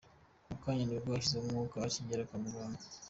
Mu kanya nibwo ashizemo umwuka akigera kwa muganga.